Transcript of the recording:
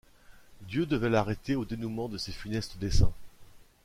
Dieu devait l’arrêter au dénouement de ses funestes desseins.